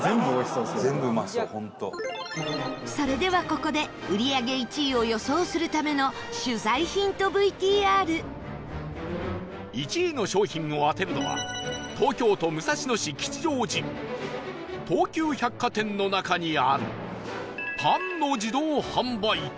それでは、ここで売り上げ１位を予想するための取材ヒントＶＴＲ１位の商品を当てるのは東急百貨店の中にあるパンの自動販売機